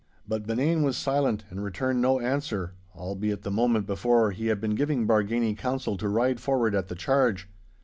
But Benane was silent and returned no answer, albeit the moment before he had been giving Bargany counsel to ride forward at the charge.